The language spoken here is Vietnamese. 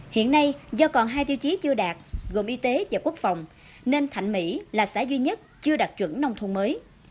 hiện nay do còn hai tiêu chí chưa đạt gồm y tế và quốc phòng nên thạnh mỹ là xã duy nhất chưa đạt chuẩn nông thôn mới